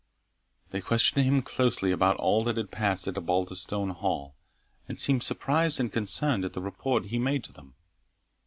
They questioned him closely about all that had passed at Osbaldistone Hall, and seemed surprised and concerned at the report he made to them.